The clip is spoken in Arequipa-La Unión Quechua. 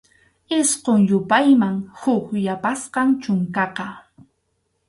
Isqun yupayman huk yapasqam chunkaqa.